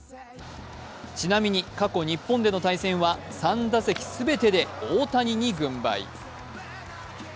ちなみに過去日本での対戦は３打席全てで大谷に軍配。